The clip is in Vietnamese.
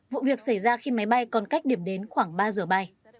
vụ việc xảy ra khi máy bay còn cách điểm đến khoảng ba giờ bay